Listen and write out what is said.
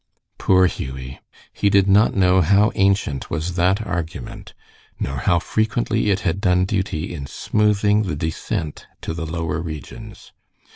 Poor Hughie! He did not know how ancient was that argument, nor how frequently it had done duty in smoothing the descent to the lower regions.